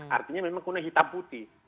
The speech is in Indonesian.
artinya memang kuning hitam putih